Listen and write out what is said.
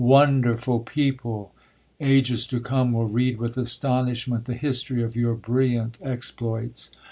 WONDERFUL PEO PLE ! ages to come will read with astonishment the history of your brilliant exploits.